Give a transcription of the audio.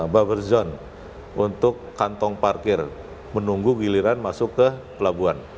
buffer zone untuk kantong parkir menunggu giliran masuk ke pelabuhan